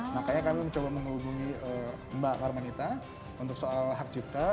makanya kami mencoba menghubungi mbak karmanita untuk soal hak cipta